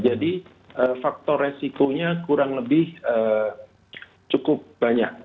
faktor resikonya kurang lebih cukup banyak